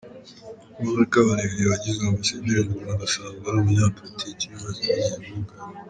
Wonekha Oliver wagizwe Ambasaderi mu Rwanda asanzwe ari umunyapolitiki ubimazemo igihe muri Uganda.